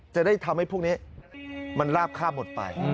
จะได้ทำให้พวกนี้มันลาบคาบหมดไป